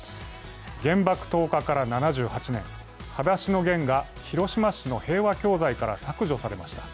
原爆投下から７８年、「はだしのゲン」が広島市の平和教材から削除されました。